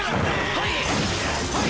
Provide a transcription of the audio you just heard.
はい！